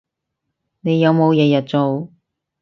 你有冇日日做